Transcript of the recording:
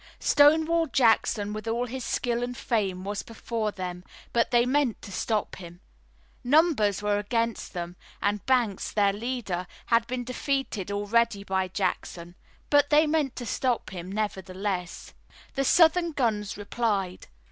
Stonewall Jackson with all his skill and fame was before them, but they meant to stop him. Numbers were against them, and Banks, their leader, had been defeated already by Jackson, but they meant to stop him, nevertheless. The Southern guns replied.